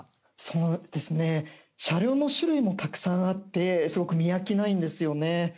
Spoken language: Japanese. そうですね、車両の種類もたくさんあってすごく見飽きないんですよね。